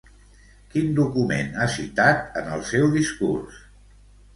Quin document ha citat en el seu discurs?